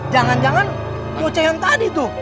jangan jangan bocah yang tadi tuh